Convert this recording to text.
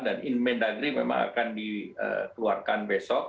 dan inmen dagri memang akan ditularkan besok